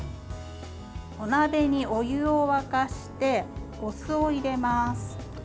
お鍋にお湯を沸かしてお酢を入れます。